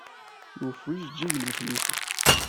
Yufa ujeǧǧig lmetel-is.